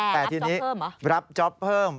แต่ทีนี้รับจ๊อปเพิ่ม